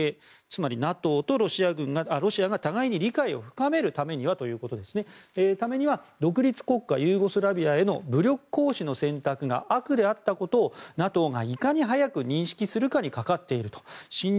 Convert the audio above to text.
つまりＮＡＴＯとロシアが互いに理解を深めるためには独立国家ユーゴスラビアへの武力行使の選択が悪であったことをＮＡＴＯがいかに早く認識するかにかかっていると。